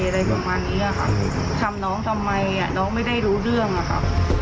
อะไรประมาณนี้อะค่ะทำน้องทำไมอ่ะน้องไม่ได้รู้เรื่องอะค่ะ